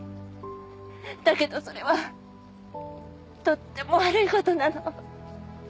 だけどそれはとっても悪いことなの。